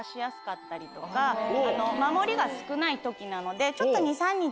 守りが少ない時なのでちょっと。